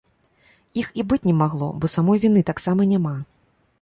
Іх і быць не магло, бо самой віны таксама няма.